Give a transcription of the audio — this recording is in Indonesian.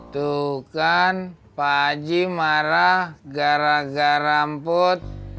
tuh kan pak aji marah gara gara rambut